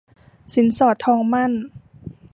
สินสอดทองหมั้น